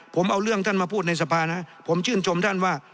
ผมเอาเรื่องท่านมาพูดในสภานะผมชื่นชมท่านว่า